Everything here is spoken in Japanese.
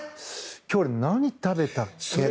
今日俺、何食べたっけ。